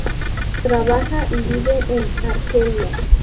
Trabaja y vive en Argelia.